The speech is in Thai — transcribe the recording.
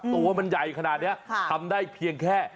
ตัวมันใหญ่ขนาดนี้ทำได้เพียงแค่